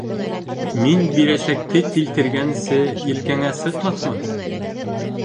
— Мин бирәсәкте килтергәнсе елкәңә сыҡмаҫмы?